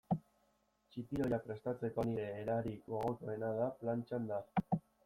Txipiroia prestatzeko nire erarik gogokoena da plantxan da.